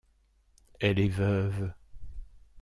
Elle est veuve.